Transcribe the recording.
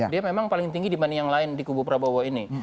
dia memang paling tinggi dibanding yang lain di kubu prabowo ini